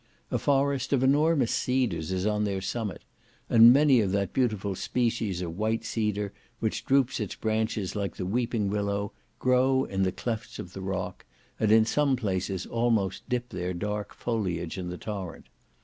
A forest of enormous cedars is on their summit; and many of that beautiful species of white cedar which droops its branches like the weeping willow grow in the clefts of the rock, and in some places almost dip their dark foliage in the torrent.